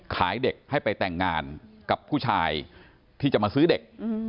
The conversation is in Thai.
เด็กให้ไปแต่งงานกับผู้ชายที่จะมาซื้อเด็ก